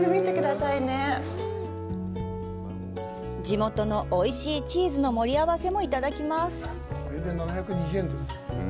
地元のおいしいチーズの盛り合わせも頂きます。